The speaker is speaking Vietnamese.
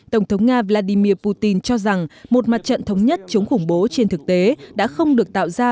tổng thống nga vladimir putin cho rằng một mặt trận thống nhất chống khủng bố trên thực tế đã không được tạo ra